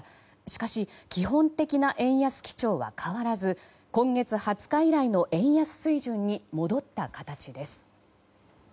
しかし、基本的な円安基調は変わらず今月２０日以来の円安水準に戻った形です。